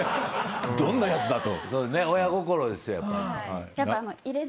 どんなやつだと。